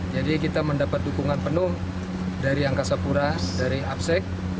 jadi kita mendapat dukungan penuh dari angkasa pura dari apsek